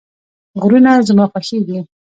غرونه زما خوښیږي